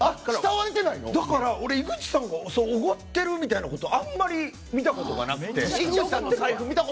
だから、俺、井口さんがおごってるみたいなのあんまり見たことがなくて。